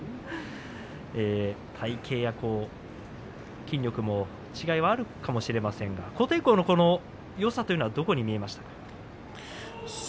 体形や筋力も違いはあるかもしれませんが琴恵光のよさはどこに見えましたか？